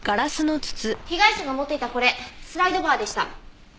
被害者が持っていたこれスライドバーでした。